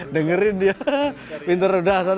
dengerin dia pintar udah sana makan